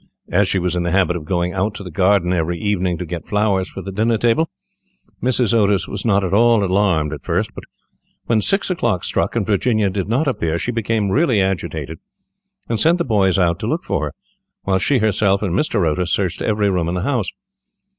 As she was in the habit of going out to the garden every evening to get flowers for the dinner table, Mrs. Otis was not at all alarmed at first, but when six o'clock struck, and Virginia did not appear, she became really agitated, and sent the boys out to look for her, while she herself and Mr. Otis searched every room in the house.